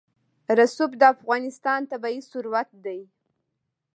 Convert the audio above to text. رسوب د افغانستان طبعي ثروت دی.